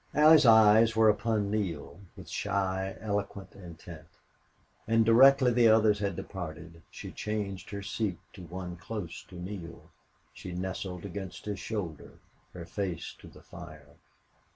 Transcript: Allie's eyes were upon Neale, with shy, eloquent intent, and directly the others had departed she changed her seat to one close to Neale; she nestled against his shoulder, her face to the fire.